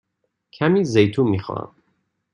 کمی زیتون می خواهم.